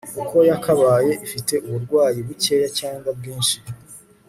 uko yakabaye ifite uburwayi bukeya cyangwa bwinshi